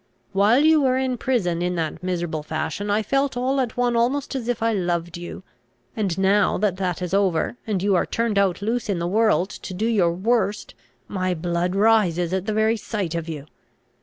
While you were in prison in that miserable fashion, I felt all at one almost as if I loved you: and now that that is over, and you are turned out loose in the world to do your worst, my blood rises at the very sight of you.